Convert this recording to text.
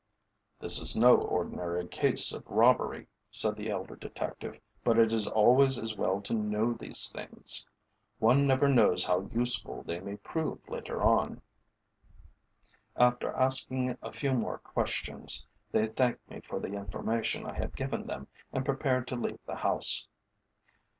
"This is no ordinary case of robbery," said the elder detective, "but it is always as well to know these things. One never knows how useful they may prove later on." After asking a few more questions, they thanked me for the information I had given them and prepared to leave the house.